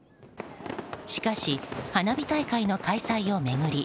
しかし、花火大会の開催を巡り